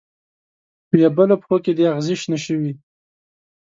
په یبلو پښو کې دې اغزې شنه شوي